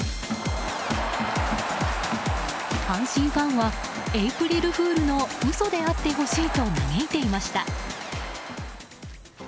阪神ファンはエイプリルフールの嘘であってほしいと嘆いていました。